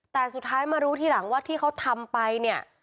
แต่สุดท้ายมารู้ทีหลังว่าที่เขาทำไปเนี่ย